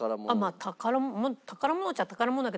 まあ宝物宝物っちゃ宝物だけど。